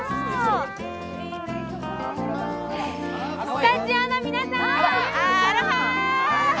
スタジオの皆さん、アロハ。